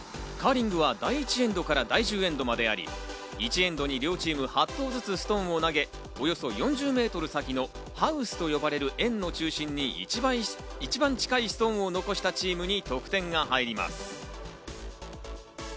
カーリングは第１エンドから第１０エンドまであり、１エンドに両チーム８投ずつストーンを投げ、およそ４０メートル先のハウスと呼ばれる円の中心に一番近いストーンを残したチームに得点が入ります。